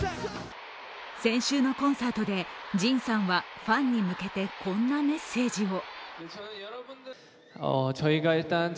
先週のコンサートでＪＩＮさんはファンに向けてこんなメッセージを。